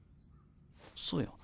そうや。